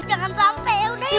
jangan sampai yaudah ya